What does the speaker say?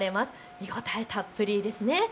見応えたっぷりですね。